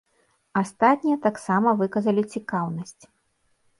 Астатнія таксама выказалі цікаўнасць.